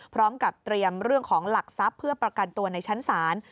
พร้อมกับเตรียมเรื่องของหลักทรัพย์เพื่อประกันตัวในชั้นศาล